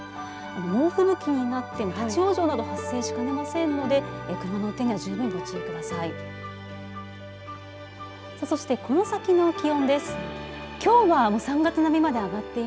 猛吹雪になって立往生など発生しかねませんので車の運転には十分ご注意ください。